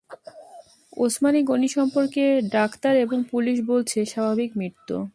ওসমান গনি সম্পর্কে ডাক্তার এবং পুলিশ বলছে-স্বাভাবিক মৃত্যু।